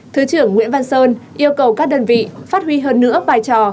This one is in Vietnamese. thứ trưởng nguyễn văn sơn yêu cầu các đơn vị phát huy hơn nữa vai trò